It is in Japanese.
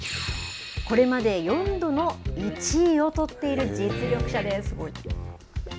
これまで４度の１位を取っている実力者です。